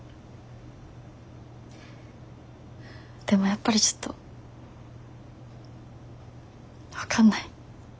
でもやっぱりちょっと分かんない。